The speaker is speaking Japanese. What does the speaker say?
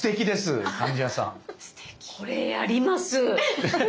これやります！